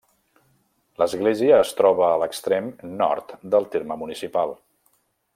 L'església es troba a l'extrem nord del terme municipal.